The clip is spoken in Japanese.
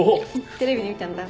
テレビで見たんだ。